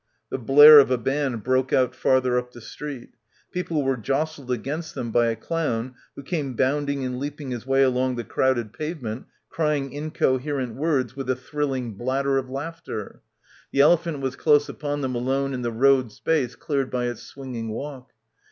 The blare of a band broke out farther up the street. People were jostled against them by a clown who came bounding and leaping his way along the crowded pavement cry ing incoherent words with a thrilling blatter of — 235 — PILGRIMAGE laughter. The elephant was close upon them alone in the road space cleared by its swinging walk.